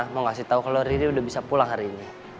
mau kasih tahu kalau riri udah bisa pulang hari ini